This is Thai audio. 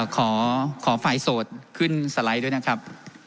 ขอฝ่ายโสดขึ้นสไลด์ด้วยนะครับ